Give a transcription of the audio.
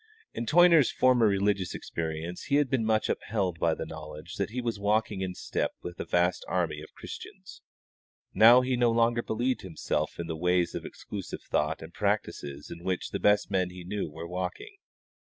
In Toyner's former religious experience he had been much upheld by the knowledge that he was walking in step with a vast army of Christians. Now he no longer believed himself in the ways of exclusive thought and practices in which the best men he knew were walking.